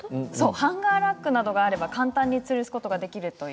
ハンガーラックがあれば簡単に作ることができます。